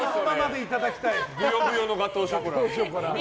ぶよぶよのガトーショコラ。